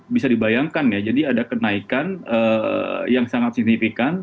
bisa dibayangkan ya jadi ada kenaikan yang sangat signifikan